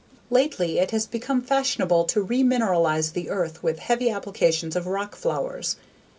Lately it has become fashionable to remineralize the earth with heavy applications of rock flours.